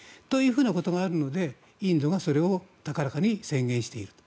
ふうなことがあるのでインドがそれを高らかに宣言していると。